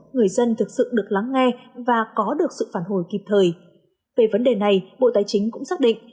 người dân thực sự được lắng nghe và có được sự phản hồi kịp thời về vấn đề này bộ tài chính cũng xác định